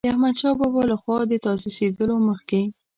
د احمدشاه بابا له خوا د تاسیسېدلو مخکې.